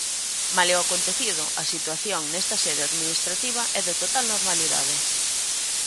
Malia o acontecido, a situación nesta sede administrativa é de total normalidade.